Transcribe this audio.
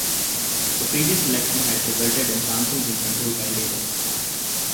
The previous election had resulted in the council being controlled by Labour.